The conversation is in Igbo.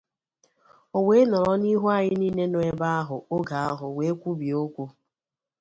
O wee nọrọ n'ihu anyị niile nọ ebe ahụ oge ahụ wee kwubie okwu